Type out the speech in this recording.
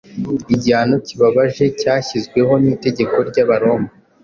igihano kibabaje cyashyizweho n’itegeko ry’Abaroma,